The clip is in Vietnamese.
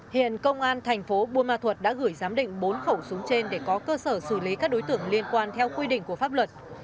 hiện công an thành phố buôn ma thuật đã gửi giám định bốn khẩu súng trên để có cơ sở xử lý các đối tượng liên quan theo quy định của pháp luật